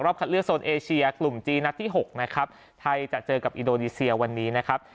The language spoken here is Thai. คัดเลือกโซนเอเชียกลุ่มจีนนัดที่๖นะครับไทยจะเจอกับอินโดนีเซียวันนี้นะครับ